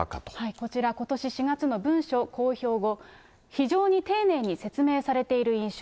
こちら、ことし４月の文書公表後、非常に丁寧に説明されている印象。